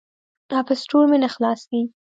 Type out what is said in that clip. اپ سټور مې نه خلاصیږي.